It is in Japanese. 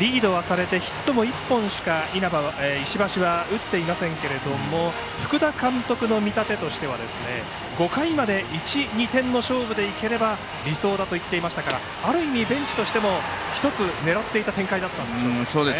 リードはされてヒットも１本しか石橋は打っていませんけれども福田監督の見立てとしては５回まで１、２点の勝負でいければ理想だと言っていましたからある意味、ベンチとしても１つ、狙っていた展開ですかね。